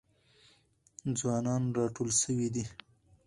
ځوانان راټول سوي دي.